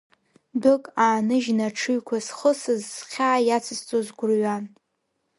Дәык ааныжьны аҽыҩқәа зхысыз, схьаа иацызҵоз гәырҩан.